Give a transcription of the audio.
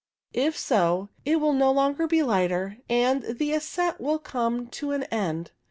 If so, it will no longer be lighter, and the ascent will come to an end.